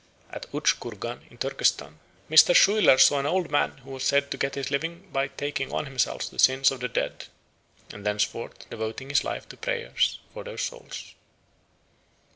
At Utch Kurgan in Turkestan Mr. Schuyler saw an old man who was said to get his living by taking on himself the sins of the dead, and thenceforth devoting his life to prayer for their souls.